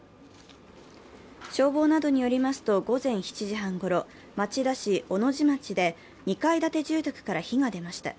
消防などによりますと午前７時半ごろ、町田市小野路町で２階建て住宅から火が出ました。